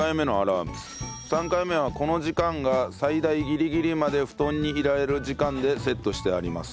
３回目はこの時間が最大ギリギリまで布団にいられる時間でセットしてあります。